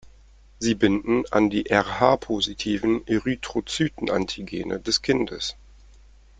Sie binden an die Rh-positiven Erythrozyten-Antigene des Kindes.